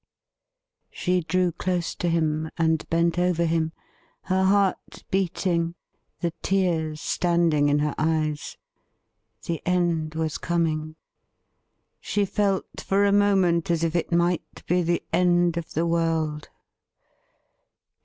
She drew close to him, and bent over him, her heart beating, the tears standing in her eyes. The end was coming. She felt for a moment as if it might be the end of the world.